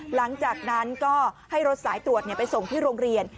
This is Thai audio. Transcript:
หลังจากนั้นก็ให้รถสายตรวจไปส่งที่โรงเรียน